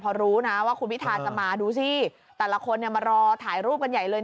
พอรู้นะว่าคุณพิทาจะมาดูสิแต่ละคนเนี่ยมารอถ่ายรูปกันใหญ่เลย